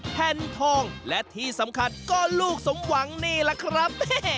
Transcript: แผ่นทองและที่สำคัญก็ลูกสมหวังนี่แหละครับ